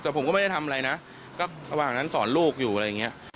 แต่ผมก็ไม่ได้ทำอะไรนะก็ระหว่างนั้นสอนลูกอยู่อะไรอย่างเงี้ย